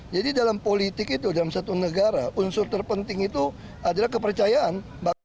jadi dalam politik itu dalam satu negara unsur terpenting itu adalah kepercayaan